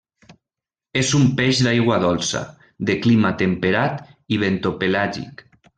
És un peix d'aigua dolça, de clima temperat i bentopelàgic.